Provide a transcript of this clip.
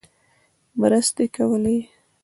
مرستې کولې.